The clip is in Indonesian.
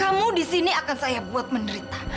kamu disini akan saya buat menerita